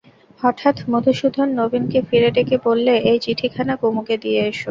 হঠাৎ মধুসূদন নবীনকে ফিরে ডেকে বললে, এই চিঠিখানা কুমুকে দিয়ে এসো।